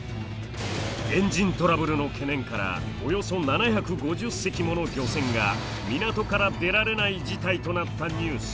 エンジントラブルの懸念からおよそ７５０隻もの漁船が港から出られない事態となったニュース。